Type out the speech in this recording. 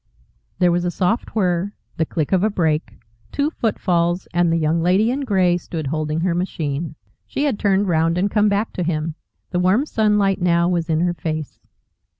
There was a soft whirr, the click of a brake, two footfalls, and the Young Lady in Grey stood holding her machine. She had turned round and come back to him. The warm sunlight now was in her face.